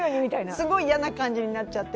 すごい嫌な感じになっちゃって。